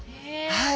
はい。